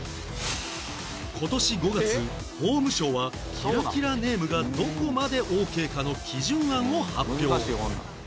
今年５月法務省はキラキラネームがどこまでオーケーかの基準案を発表